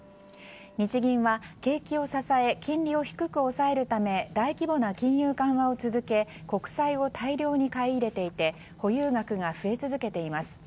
日銀は景気を支え金利を低く抑えるため大規模な金融緩和を続け国債を大量に買い入れていて保有額が増え続けています。